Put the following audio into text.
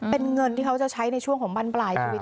เป็นเงินที่เขาจะใช้ในช่วงของบรรปลายชีวิต